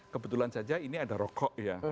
kebetulan saja ini ada rokok ya